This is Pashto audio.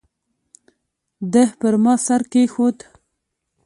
ده پر ما سر کېښود.